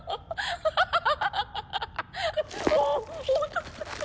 ハハハハハ！